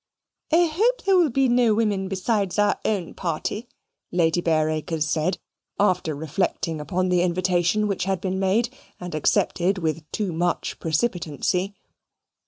"I hope there will be no women besides our own party," Lady Bareacres said, after reflecting upon the invitation which had been made, and accepted with too much precipitancy.